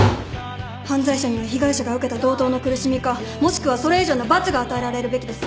犯罪者には被害者が受けた同等の苦しみかもしくはそれ以上の罰が与えられるべきです。